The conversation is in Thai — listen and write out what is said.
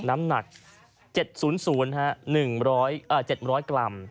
น้ำหนัก๗๐๐๗๐๐กรัม